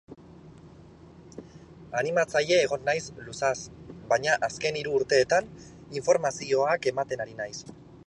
Animatzaile egon naiz luzaz, baina azken hiru urteetan informazioak ematen ari naiz.